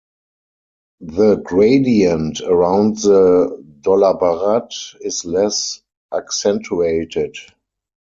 The gradient around the Dollabarat is less accentuated.